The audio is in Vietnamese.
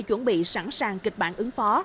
chuẩn bị sẵn sàng kịch bản ứng phó